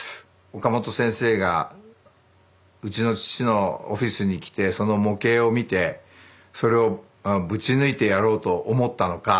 岡本先生がうちの父のオフィスに来てその模型を見てそれをぶち抜いてやろうと思ったのか。